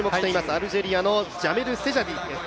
アルジェリアのジャメル・セジャティです。